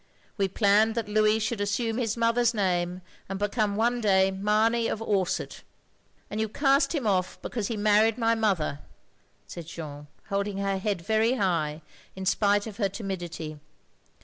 We planned that Louis should assume his mother's name, and become one day Mamey of Orsett." " And you cast him off because he married my mother," said Jeanne, holding her head very high, in spite of her timidity.